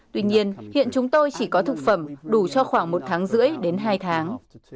tuy nhiên hiện chúng tôi chỉ có thực phẩm đủ cho khoảng một tháng rưỡi đến hai tháng